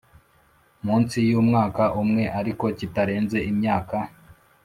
Munsi y umwaka umwe ariko kitarenze imyaka